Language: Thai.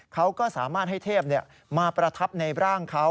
เขาก็สามารถให้เทพมาประทับในร่างเขา